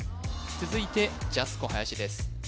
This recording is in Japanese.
続いてジャスコ林です